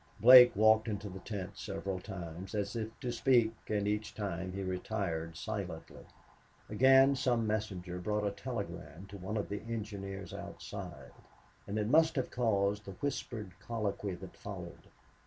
Blake walked into the tent several times, as if to speak, and each time he retired silently. Again, some messenger brought a telegram to one of the engineers outside, and it must have caused the whispered colloquy that followed.